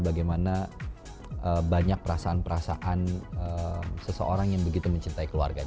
bagaimana banyak perasaan perasaan seseorang yang begitu mencintai keluarga